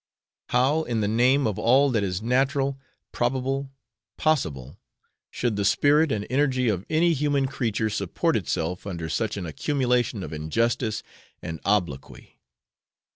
How, in the name of all that is natural, probable, possible, should the spirit and energy of any human creature support itself under such an accumulation of injustice and obloquy?